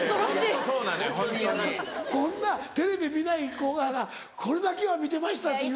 こんなテレビ見ない子がこれだけは見てましたっていう。